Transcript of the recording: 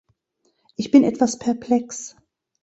Ich bin etwas perplex.